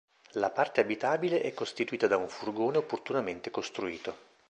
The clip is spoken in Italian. La parte abitabile è costituita da un furgone opportunamente costruito.